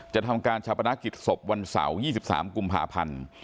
จะทำการชะปนาคิดศพวันเสาร์ยี่สิบสามกุมภาพันธ์